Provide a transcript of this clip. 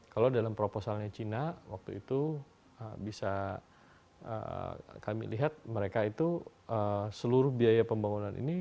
kalau dalam proposalnya cina waktu itu bisa kami lihat mereka itu seluruh biaya pembangunan ini